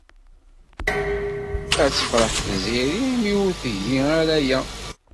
Ad tefṛeḥ Tiziri imi ur tgi ara aya.